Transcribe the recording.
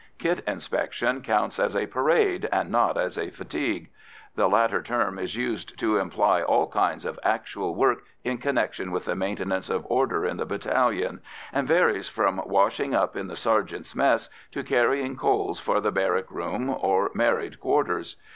Kit inspection counts as a "parade," and not as a "fatigue." The latter term is used to imply all kinds of actual work in connection with the maintenance of order in the battalion, and varies from washing up in the sergeants' mess to carrying coals for the barrack room or married quarters.